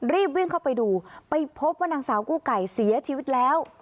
รีบวิ่งเข้าไปดูไปพบว่านางสาวกู้ไก่เสียชีวิตแล้ว